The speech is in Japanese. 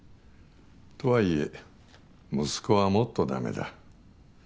とはいえ息子はもっとだめだ。